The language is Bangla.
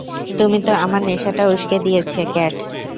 তুমি তো আমার নেশাটা উস্কে দিয়েছে, ক্যাট!